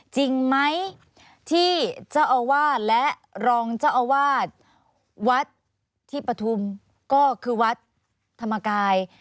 จริงไหมที่เจ้าอาวาสและรองเจ้าอาวาสวัดที่ปฐุมก็คือวัดธรรมกาย